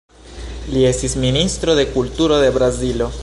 Li estis ministro de Kulturo de Brazilo.